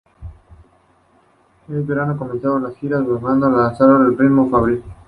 Ese verano comenzaron las giras, grabando y lanzando a un ritmo febril.